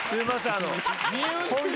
あの。